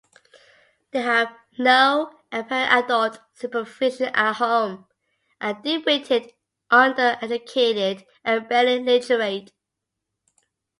They have no apparent adult supervision at home, are dim-witted, under-educated and barely literate.